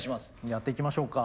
やっていきましょうか。